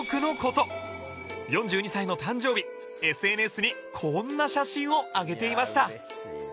４２歳の誕生日 ＳＮＳ にこんな写真を上げていました